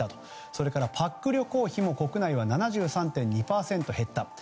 それからパック旅行費も国内は７３．２％減ったと。